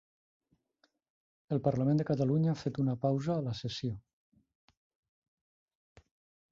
El Parlament de Catalunya ha fet una pausa a la sessió